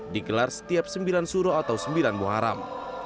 digelar setiap sembilan suruh atau sembilan muharam